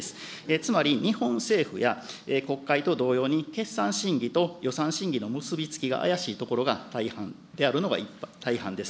つまり日本政府や国会と同様に、決算審議と予算審議の結び付きが怪しいところが大半であるのが、大半です。